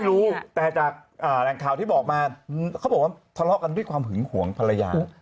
รู้แต่จากแหล่งข่าวที่บอกมาเขาบอกว่าทะเลาะกันด้วยความหึงหวงภรรยา